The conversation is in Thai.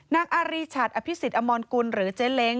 นางอารีชัดอภิษฎอมรกุลหรือเจ๊เล้ง